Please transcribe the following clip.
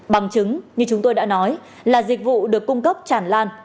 bằng chứng như chúng tôi đã nói là dịch vụ được cung cấp chản lan